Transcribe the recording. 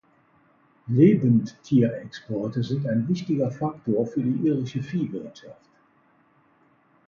Lebendtierexporte sind ein wichtiger Faktor für die irische Viehwirtschaft.